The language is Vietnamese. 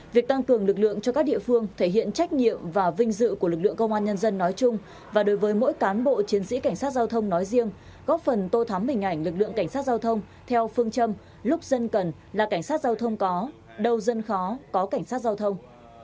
việc tăng cường lực lượng cho các địa phương thể hiện trách nhiệm và vinh dự của lực lượng công an nhân dân nói chung và đối với mỗi cán bộ chiến sĩ cảnh sát giao thông nói riêng góp phần tô thắm hình ảnh lực lượng cảnh sát giao thông theo phương châm lúc dân cần là cảnh sát giao thông có đâu dân khó có cảnh sát giao thông